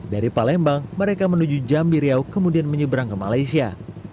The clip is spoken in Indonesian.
dari palembang mereka menuju jambi riau kemudian menyeberang ke malaysia